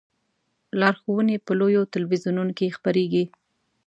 لارښوونې په لویو تلویزیونونو کې خپریږي.